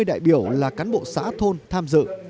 hơn năm mươi đại biểu là cán bộ xã thôn tham dự